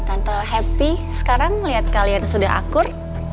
tanpa happy sekarang melihat kalian sudah akur